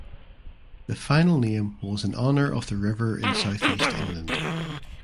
The final name was in honour of the river in South East England.